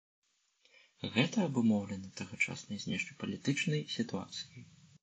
Гэта абумоўлена тагачаснай знешнепалітычнай сітуацыяй.